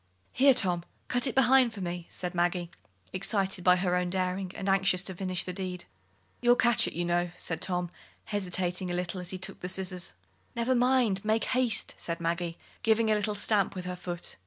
"Here, Tom, cut it behind for me," said Maggie, excited by her own daring, and anxious to finish the deed. "You'll catch it, you know," said Tom, hesitating a little as he took the scissors. "Never mind make haste!" said Maggie, giving a little stamp with her foot.